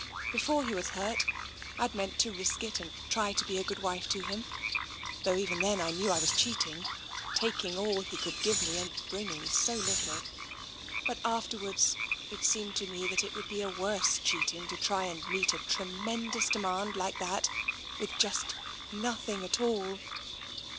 Before he was hurt, Fd meant to risk it and to try and be a good wife to him, though even then I knew I was cheating — taking all he could give me, and bringing so little. But afterwards, it seemed to me that it would be a worse cheating to try and meet a tremendous demand like that with just nothing at all.